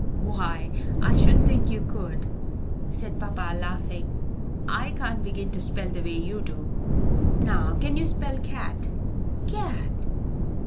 "Why, I should think you could," said papa, laughing. "I can't begin to spell the way you do. Now can you spell Cat?" "Cat?